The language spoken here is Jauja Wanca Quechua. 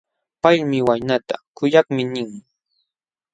Paymi waynanta: kuyakmi nin.